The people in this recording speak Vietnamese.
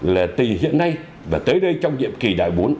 là từ hiện nay và tới đây trong nhiệm kỳ đại bốn